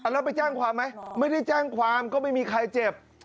แล้วไปแจ้งความไหมไม่ได้แจ้งความก็ไม่มีใครเจ็บ